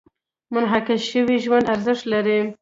منعکس شوي ژوند ارزښت لري.